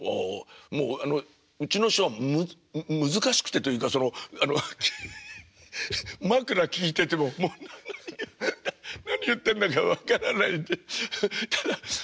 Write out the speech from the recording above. うちの師匠は難しくてというかそのまくら聴いてても何言ってんだか分からないんでただああ